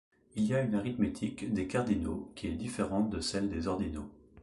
Il y a une arithmétique des cardinaux, qui est différente de celle des ordinaux.